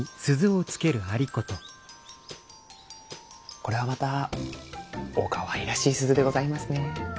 これはまたおかわいらしい鈴でございますね。